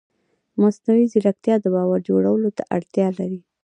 مصنوعي ځیرکتیا د باور جوړولو ته اړتیا لري.